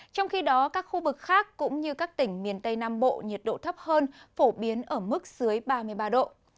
trong khi đó các khu vực khác cũng như các tỉnh miền tây nam bộ nhiệt độ thấp hơn phổ biến ở mức dưới ba mươi ba độ